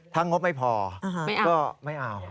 ถ้างบไม่พอก็ไม่เอา